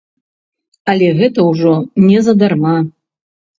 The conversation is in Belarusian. Але гэта ўжо не задарма!